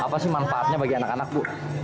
apa sih manfaatnya bagi anak anak bu